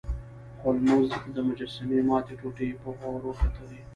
هولمز د مجسمې ماتې ټوټې په غور وکتلې.